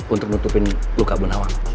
untuk nutupin luka bu nawang